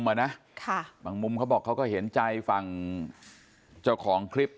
มานะค่ะบางมุมเขาบอกเขาก็เห็นใจฝั่งเจ้าของคลิป